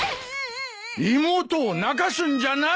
妹を泣かすんじゃない！